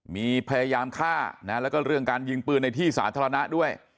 มีพยายามฆ่าแล้วก็เรื่องการยิงปืนในที่สาธารณะด้วย